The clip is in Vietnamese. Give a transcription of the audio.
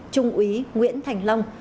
trung úy nguyễn thành long